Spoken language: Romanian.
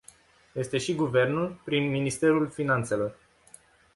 Este și Guvernul, prin Ministerul Finanțelor.